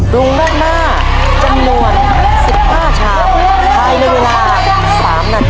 ดูหน้าจำนวน๑๕ชาติ